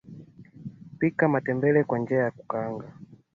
Kupika matembele kwa njia ya kukaanga